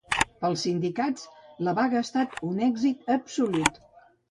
Pels sindicats la vaga ha estat un ‘èxit absolut’.